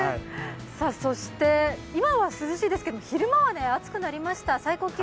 そして、今は涼しいですが、昼間は暑くなりました。